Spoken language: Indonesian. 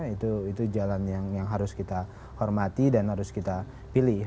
itu jalan yang harus kita hormati dan harus kita pilih